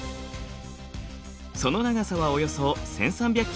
その長さはおよそ１，３００ｋｍ。